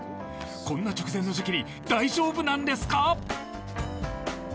こんな直前の時期に大丈夫なんですか？